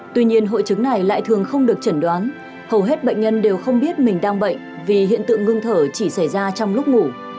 tuy nhiên hội chứng này lại thường không được chẩn đoán hầu hết bệnh nhân đều không biết mình đang bệnh vì hiện tượng ngưng thở chỉ xảy ra trong lúc ngủ